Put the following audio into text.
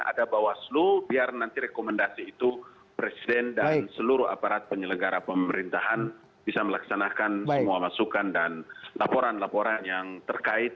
ada bawaslu biar nanti rekomendasi itu presiden dan seluruh aparat penyelenggara pemerintahan bisa melaksanakan semua masukan dan laporan laporan yang terkait